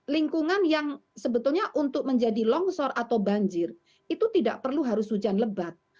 lingkungan yang sebetulnya untuk menjadi longsor atau banjir itu tidak perlu harus hujan lebat